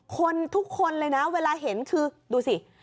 คนทุกคนเลยนะเวลาเห็นคือดูสิ